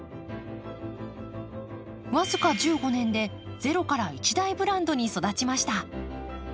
僅か１５年でゼロから一大ブランドに育ちました。